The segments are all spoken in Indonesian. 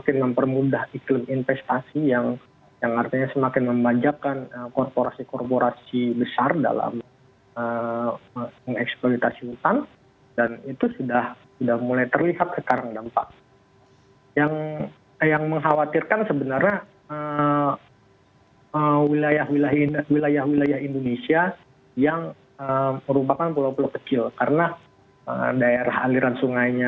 karena bagaimanapun sebagai koalisi pemerintah juga bisa memberikan pengawasan yang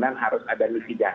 lebih lekat